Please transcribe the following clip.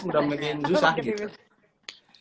udah makin susah gitu